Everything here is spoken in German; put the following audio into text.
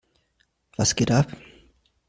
Was geht ab?